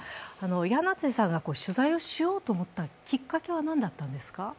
柳瀬さんが取材をしようと思ったきっかけは何だったんですか？